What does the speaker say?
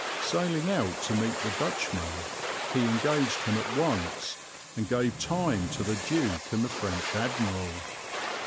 Sailing out to meet the Dutchman, he engaged him at once and gave time to the Duke and the French admiral.